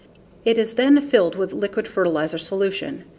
It is then filled with liquid fertilizer solution.